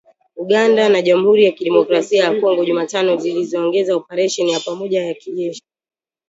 Uganda na Jamhuri ya Kidemokrasi ya Kongo, Jumatano ziliongeza operesheni ya pamoja ya kijeshi